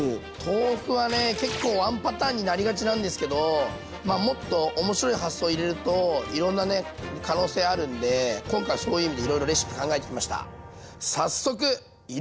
豆腐はね結構ワンパターンになりがちなんですけどまあもっと面白い発想入れるといろんなね可能性あるんで今回そういう意味でいろいろレシピ考えてきました。